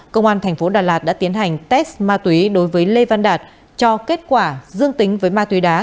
công an thành phố đà lạt đã tiến hành test ma túy đối với lê văn đạt cho kết quả dương tính với ma túy đá